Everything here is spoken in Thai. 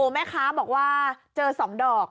แม่ค้าบอกว่าเจอ๒ดอก